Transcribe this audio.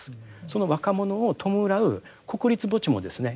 その若者を弔う国立墓地もですね